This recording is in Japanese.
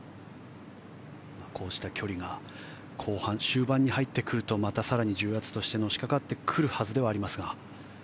こうした距離が後半、終盤に入ってくるとまた更に重圧としてのしかかってくるはずではありますが。